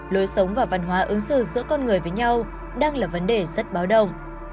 lối sống và văn hóa ứng xử giữa con người với nhau đang là vấn đề rất báo động